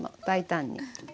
大胆に。